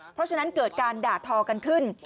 เพราะฉะนั้นเกิดการด่าทอกันขึ้น